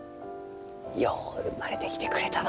よう生まれてきてくれたのう。